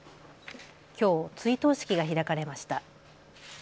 きょう追悼式が開かれました。